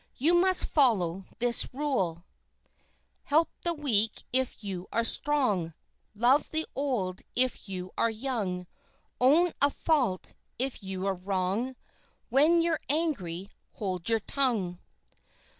You must follow this rule: Help the weak if you are strong; Love the old if you are young; Own a fault if you are wrong; When you're angry, hold your tongue.